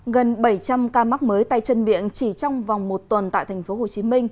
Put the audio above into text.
gần bảy trăm linh ca mắc mới tay chân miệng chỉ trong vòng một tuần tại tp hcm